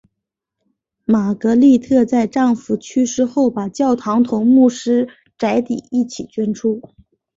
玛格丽特在丈夫去世后把教堂同牧师宅邸一起捐出。